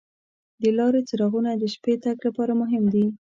د لارې څراغونه د شپې تګ لپاره مهم دي.